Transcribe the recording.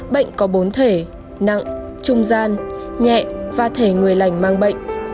bệnh có bốn thể nặng trung gian nhẹ và thể người lành mang bệnh